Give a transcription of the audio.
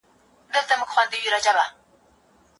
هر مثبت ګام زموږ په کلتور کې بېل خوند لري.